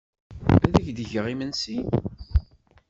Ad ak-d-geɣ imensi?